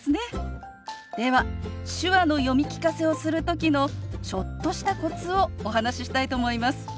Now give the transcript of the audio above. では手話の読み聞かせをする時のちょっとしたコツをお話ししたいと思います。